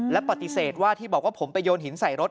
และปฏิเสธว่าที่บอกว่าผมไปโยนหินใส่รถ